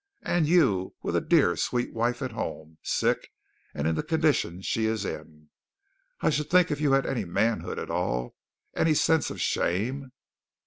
And you with a dear, sweet wife at home, sick and in the condition she is in. I should think if you had any manhood at all any sense of shame!